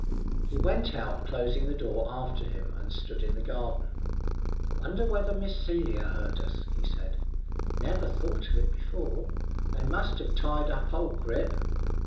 He went out, closing the door after him, and stood in the garden. "Wonder whether Miss Celia heard us," he said; "never thought of it before; they must have tied up old Grip."